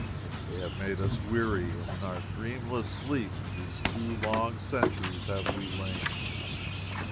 They have made us weary, and in dreamless sleep these two long centuries have we lain.